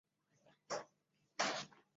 后转小承御上士。